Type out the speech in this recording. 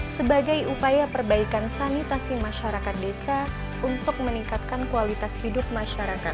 sebagai upaya perbaikan sanitasi masyarakat desa untuk meningkatkan kualitas hidup masyarakat